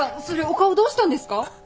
それお顔どうしたんですか！？